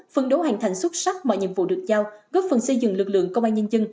phân đấu hoàn thành xuất sắc mọi nhiệm vụ được giao góp phần xây dựng lực lượng công an nhân dân